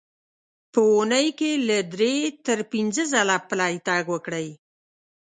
په اوونۍ کې له درې تر پنځه ځله پلی تګ وکړئ.